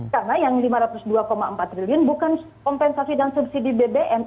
karena yang lima ratus dua empat triliun bukan kompensasi dan subsidi bbm